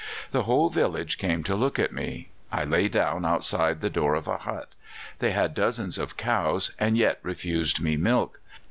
The whole village came to look at me. I lay down outside the door of a hut. They had dozens of cows, and yet refused me milk.